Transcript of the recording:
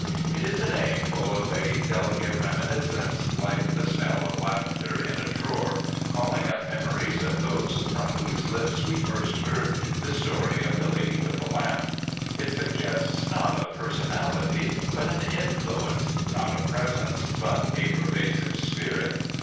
'" It is a name full of a delicate reminiscence, like the smell of lavender in a drawer, calling up memories of those from whose lips we first heard the story of " The Lady with the Lamp." It suggests not a personality, but an influence; not a presence, but a pervasive spirit.